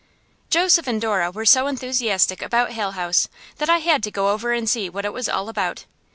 Joseph and Dora were so enthusiastic about Hale House that I had to go over and see what it was all about.